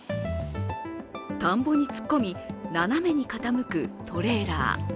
田んぼに突っ込み、斜めに傾くトレーラー。